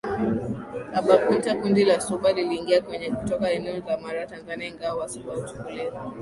Abakunta Kundi la Suba liliingia Kenya kutoka eneo la Mara Tanzania Ingawa Wasuba huchukuliwa